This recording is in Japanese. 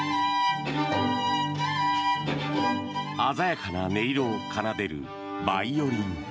鮮やかな音色を奏でるバイオリン。